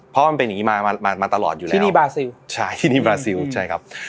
เพราะมันเป็นอย่างงี้มามาตลอดอยู่แล้วที่นี่บราซิลใช่ที่นี่บราซิลใช่ครับ